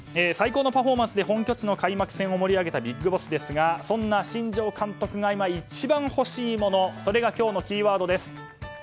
最高のパフォーマンスで本拠地の開幕戦を盛り上げたＢＩＧＢＯＳＳですがそんな新庄監督が今、一番欲しいものが今日のキーワードです。